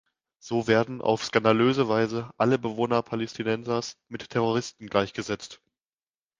So werden auf skandalöse Weise alle Bewohner Palästinas mit Terroristen gleichgesetzt.